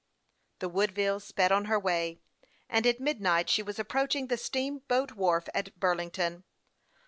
The Woodville sped on her way, and at midnight she was approaching the steamboat wharf at Bur lington.